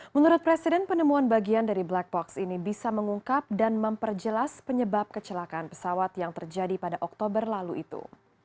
menurut presiden penemuan bagian dari black box ini bisa mengungkap dan memperjelas penyebab kecelakaan pesawat yang terjadi pada oktober lalu itu